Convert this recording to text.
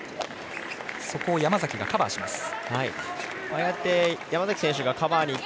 そこを山崎がカバーします。